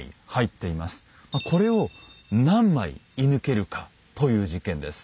これを何枚射ぬけるかという実験です。